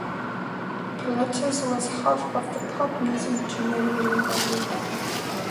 Pilatus was half of the pop music duo Milli Vanilli.